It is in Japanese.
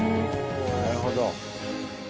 なるほど。